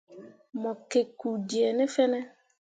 Mo gikki kpu dee ne fene.